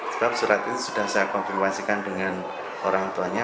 sebab surat ini sudah saya konfirmasikan dengan orang tuanya